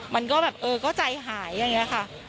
มันก็แบบเออก็ใจหายอย่างนี้ค่ะ